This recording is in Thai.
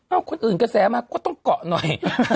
คนอื่นกระแสมาก็ต้องเกาะหน่อย